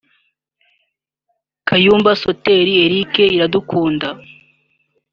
Kayumba Soter Eric Iradukunda